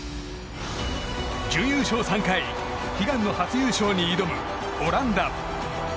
準優勝３回悲願の初優勝に挑むオランダ。